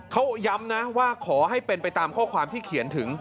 เขาย้ำนะว่าขอให้เป็นไปตามข้อความที่เขียนถึง